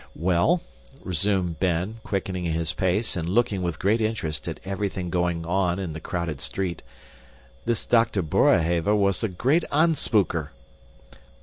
"Well," resumed Ben, quickening his pace and looking with great interest at everything going on in the crowded street, "this Dr. Boerhaave was a great anspewker."